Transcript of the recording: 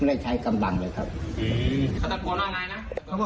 ไม่ได้ใช้กำลังเลยครับ